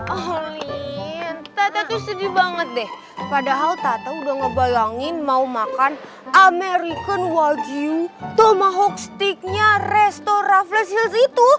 oh lin tata tuh sedih banget deh padahal tata udah ngebalangin mau makan american wagyu tomahawk steaknya restora flash heels itu